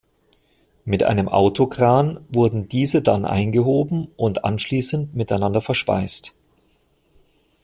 Mit einem Autokran wurden diese dann eingehoben und anschließend miteinander verschweißt.